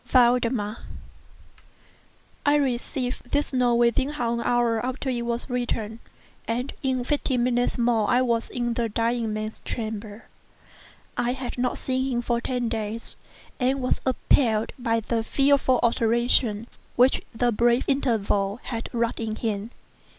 VALDEMAR I received this note within half an hour after it was written, and in fifteen minutes more I was in the dying man's chamber. I had not seen him for ten days, and was appalled by the fearful alteration which the brief interval had wrought in him.